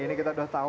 ini kita sudah tahu